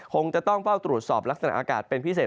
คงจะต้องเฝ้าตรวจสอบลักษณะอากาศเป็นพิเศษ